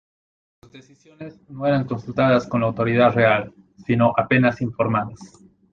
Sus decisiones no eran consultadas con la autoridad real, sino apenas informadas.